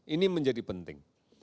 ini menjadi penting